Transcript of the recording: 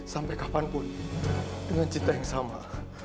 sampai kapanpun dengan cita yang sama